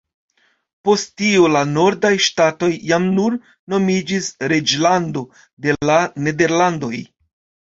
Post tio la nordaj ŝtatoj jam nur nomiĝis Reĝlando de la Nederlandoj.